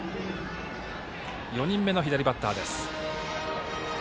４人目の左バッター。